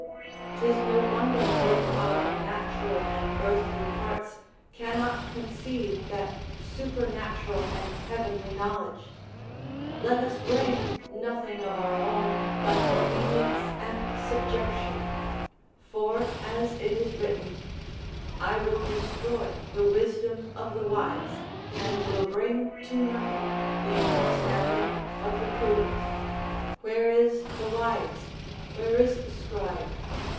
'Tis no wonder if our natural and earthly parts cannot conceive that supernatural and heavenly knowledge: let us bring nothing of our own, but obedience and subjection; for, as it is written, "I will destroy the wisdom of the wise, and will bring to nothing the understanding of the prudent. Where is the wise? Where is the scribe?